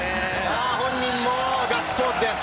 本人もガッツポーズです。